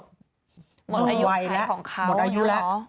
หมดอายุใครของเขาเหรอหมดอายุแล้ว